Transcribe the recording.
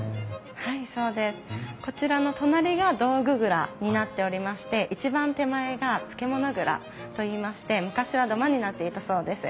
はいそうです。こちらの隣が道具蔵になっておりまして一番手前が漬物蔵といいまして昔は土間になっていたそうです。